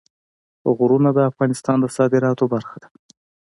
غرونه د افغانستان د صادراتو برخه ده.